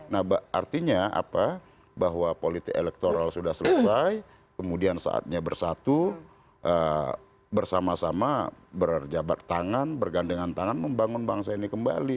nah artinya apa bahwa politik elektoral sudah selesai kemudian saatnya bersatu bersama sama berjabat tangan bergandengan tangan membangun bangsa ini kembali